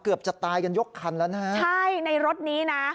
เกือบจะตายกันยกคันแล้วนะฮะใช่ในรถนี้นะ